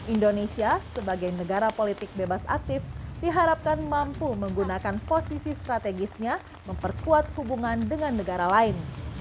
indonesia sebagai negara politik bebas aktif diharapkan mampu menggunakan posisi strategisnya memperkuat hubungan dengan negara lain